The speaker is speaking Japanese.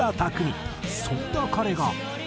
そんな彼が。